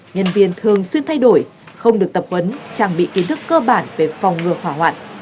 nhân viên thường xuyên thay đổi không được tập huấn trang bị kiến thức cơ bản về phòng ngừa hỏa hoạn